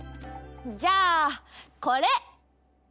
じゃあこれ。